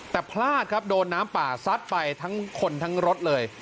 แต่พลาดครับโดนน้ำป่าซัดไปทั้งคนทั้งรถเลย